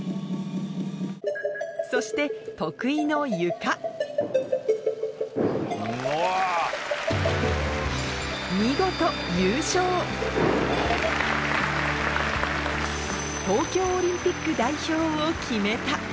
そして得意のゆか見事優勝東京オリンピック代表を決めた！